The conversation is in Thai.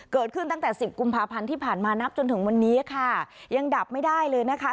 เกิดขึ้นตั้งแต่สิบกุมภาพันธ์ที่ผ่านมานับจนถึงวันนี้ค่ะยังดับไม่ได้เลยนะคะ